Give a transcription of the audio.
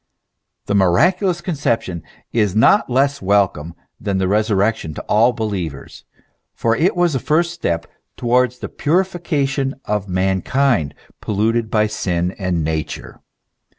The Miraculous Conception is not less welcome than the Resurrection, to all believers ; for it was the first step towards the purification of mankind, polluted by sin and Nature.